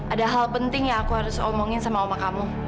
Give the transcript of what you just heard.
ada hal penting yang aku harus omongin sama oma kamu